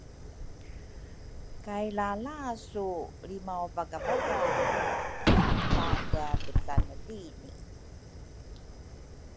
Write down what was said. kay lalasu lrimauvagavagay mua ki tapeapecanelini.